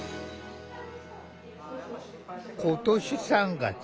今年３月。